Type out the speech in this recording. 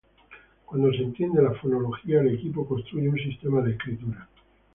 Cuando se entiende la fonología, el equipo construye un sistema de escritura.